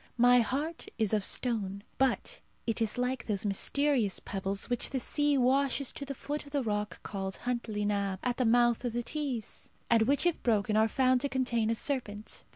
My heart is of stone, but it is like those mysterious pebbles which the sea washes to the foot of the rock called Huntly Nabb, at the mouth of the Tees, and which if broken are found to contain a serpent.